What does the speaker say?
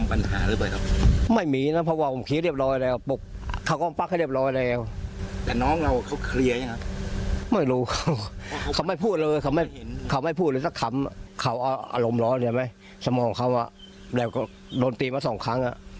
อารมณ์เหรอเห็นไหมสมองเขาอ่ะแล้วก็โดนตีมาสองครั้งอ่ะ